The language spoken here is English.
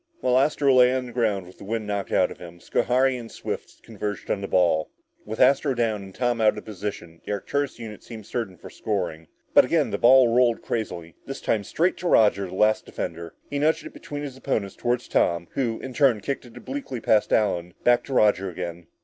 While Astro lay on the ground with the wind knocked out of him, Schohari and Swift converged on the ball. With Astro down and Tom out of position, the Arcturus unit seemed certain of scoring. But again the ball rolled crazily, this time straight to Roger, the last defender. He nudged it between his opponents toward Tom, who, in turn, kicked it obliquely past Allen back to Roger again.